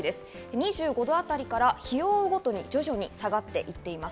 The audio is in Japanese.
２５度あたりから日を追うごとに徐々に下がっていっています。